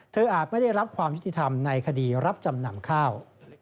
อาจไม่ได้รับความยุติธรรมในคดีรับจำนำข้าว